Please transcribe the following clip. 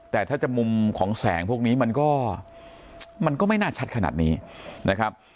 แต่ถ้าจะมุมของแสงพวกนี้มันก็มันก็ไม่น่าชัดขนาดนี้นะครับ